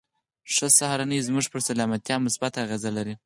ښه سهارنۍ زموږ پر سلامتيا مثبته اغېزه لري.